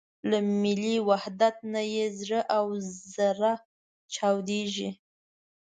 له ملي وحدت نه یې زړه او زره چاودېږي.